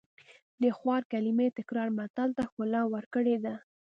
د خوار کلمې تکرار متل ته ښکلا ورکړې ده